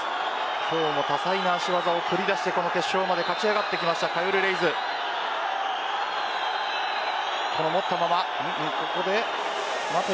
今日も多彩な足技を繰り出して決勝まで勝ち上がってきたカヨル・レイズです。